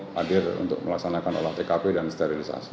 hadir untuk melaksanakan olah tkp dan sterilisasi